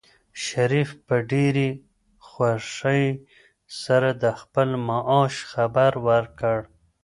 شریف په ډېرې خوښۍ سره د خپل معاش خبر ورکړ.